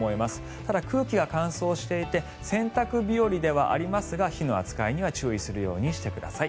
ただ、空気が乾燥していて洗濯日和ではありますが火の扱いには注意するようにしてください。